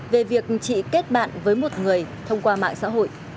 về việc chị kết bạn với một người thông qua mạng xã hội